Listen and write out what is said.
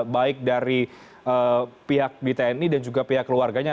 baik dari pihak di tni dan juga pihak keluarganya